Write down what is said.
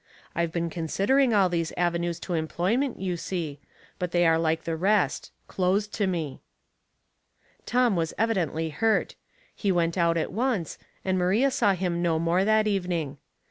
I've been con sidering all these avenues to employment, you see ; but they are like the rest, closed to me." Tom was evidently hurt. He went out a^ Dehts and Doubts, 113 once, and Maria saw him no more that evening.